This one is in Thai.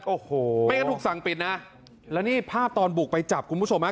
โอ้โหไม่งั้นถูกสั่งปิดนะแล้วนี่ภาพตอนบุกไปจับคุณผู้ชมฮะ